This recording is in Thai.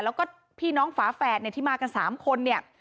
แล้วก็พี่น้องฝาแฝดเนี่ยที่มากัน๓คนเนี่ย